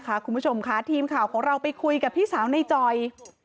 คุณผู้ชมค่ะทีมข่าวของเราไปคุยกับพี่สาวในจอย